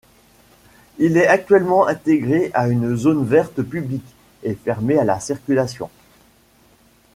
Il est actuellement intégré à une zone verte publique, et fermé à la circulation.